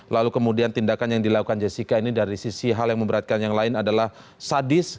lalu kemudian tindakan yang dilakukan jessica ini dari sisi hal yang memberatkan yang lain adalah sadis